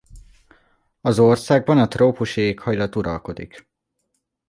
Az országban a trópusi éghajlat uralkodik.